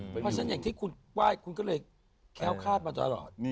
เพราะฉะนั้นอย่างที่คุณไหว้คุณก็เลยแค้วคาดมาตลอด